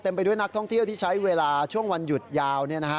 ไปด้วยนักท่องเที่ยวที่ใช้เวลาช่วงวันหยุดยาว